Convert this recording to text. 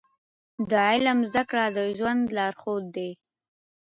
د علم زده کړه د ژوند لارښود دی.